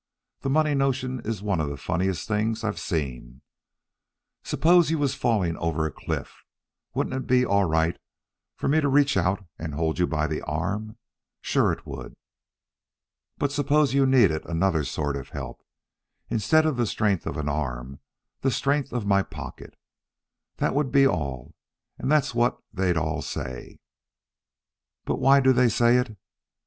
This money notion is one of the funniest things I've seen. Suppose you was falling over a cliff, wouldn't it be all right for me to reach out and hold you by the arm? Sure it would. But suppose you needed another sort of help instead of the strength of arm, the strength of my pocket? That would be all and that's what they all say. But why do they say it.